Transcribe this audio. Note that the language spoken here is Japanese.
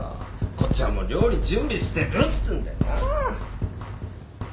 こっちはもう料理準備してるっつうんだよなあ。